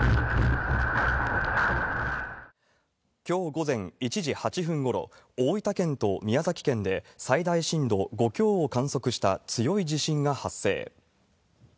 きょう午前１時８分ごろ、大分県と宮崎県で最大震度５強を観測した強い地震が発生。